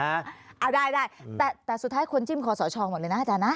เอาได้ได้แต่สุดท้ายคนจิ้มคอสชหมดเลยนะอาจารย์นะ